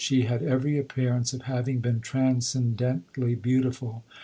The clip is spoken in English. she had every appearance of having been transcendently beautiful.